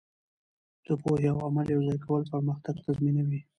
د پوهې او عمل یوځای کول پرمختګ تضمینوي.